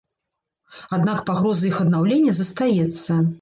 Аднак пагроза іх аднаўлення застаецца.